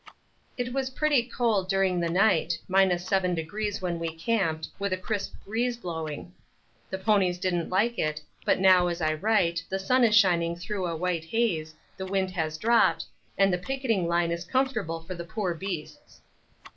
It was pretty cold during the night, 7° when we camped, with a crisp breeze blowing. The ponies don't like it, but now, as I write, the sun is shining through a white haze, the wind has dropped, and the picketing line is comfortable for the poor beasts.